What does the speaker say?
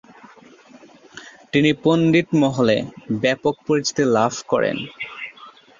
তিনি পণ্ডিত মহলে ব্যাপক পরিচিতি লাভ করেন।